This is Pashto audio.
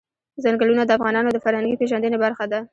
ځنګلونه د افغانانو د فرهنګي پیژندنې برخه ده.